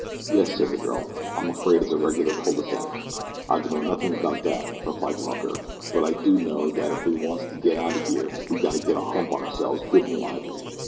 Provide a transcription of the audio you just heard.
"Yes," said the girl, "I'm afraid it's a regular cul de sac." "I dunno nothin' about dat," replied the mucker; "but I do know dat if we wants to get out o' here we gotta get a hump on ourselves good an' lively.